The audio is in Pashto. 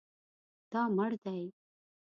دا مړ دی